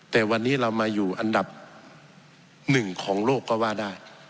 แต่วันนี้เรามาอยู่อันดับหนึ่งของโลกก็ว่าได้